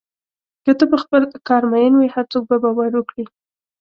که ته په خپل کار مین وې، هر څوک به باور وکړي.